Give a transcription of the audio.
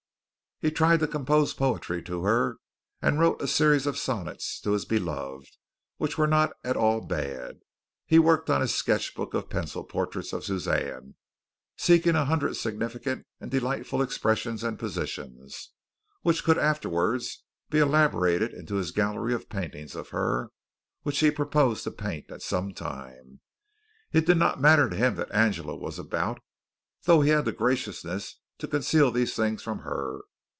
He tried to compose poetry to her, and wrote a series of sonnets to his beloved, which were not at all bad. He worked on his sketch book of pencil portraits of Suzanne seeking a hundred significant and delightful expressions and positions, which could afterwards be elaborated into his gallery of paintings of her, which he proposed to paint at some time. It did not matter to him that Angela was about, though he had the graciousness to conceal these things from her.